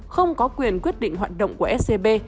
không có quyền quyết định hoạt động của scb